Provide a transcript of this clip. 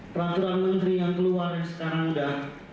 peraturan menteri yang keluar sekarang udah